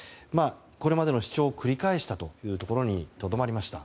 これまでの主張を繰り返したことにとどまりました。